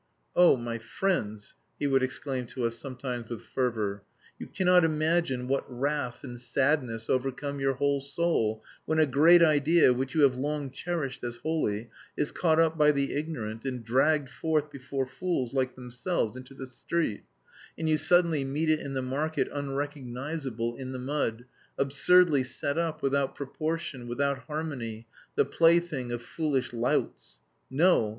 "Oh, my friends!" he would exclaim to us sometimes with fervour, "you cannot imagine what wrath and sadness overcome your whole soul when a great idea, which you have long cherished as holy, is caught up by the ignorant and dragged forth before fools like themselves into the street, and you suddenly meet it in the market unrecognisable, in the mud, absurdly set up, without proportion, without harmony, the plaything of foolish louts! No!